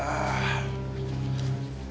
kau tahu apa